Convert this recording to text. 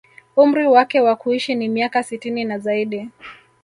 Umri wake wa kuishi ni miaka sitini na zaidi